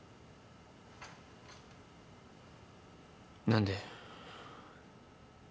何で。